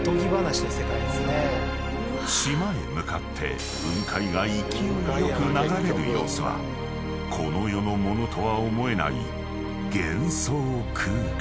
［島へ向かって雲海が勢いよく流れる様子はこの世のものとは思えない幻想空間］